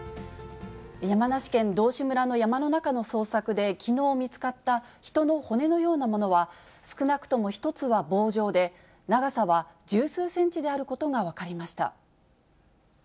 山梨県道志村の山の中の捜索で、きのう見つかった人の骨のようなものは、少なくとも１つは棒状で、長さは十数センチであることが分かりました。